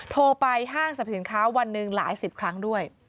โทรไปห้างสรรพสินค้าวันหนึ่งหลายสิบครั้งด้วย